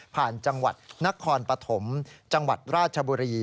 จังหวัดนครปฐมจังหวัดราชบุรี